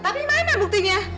tapi mana buktinya